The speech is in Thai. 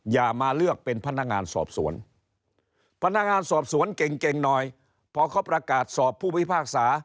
อย่ามาเลือกเป็นพนักงานสอบสวนพนักงานสอบสวนเก่งเก่งหน่อยพอเขาประกาศสอบผู้พิพากษา